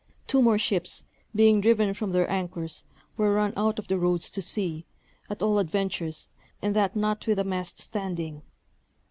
Two more ships, being driven from their anchors, were run out of the Roads to sea, at all adventures, and that not with a mast standing.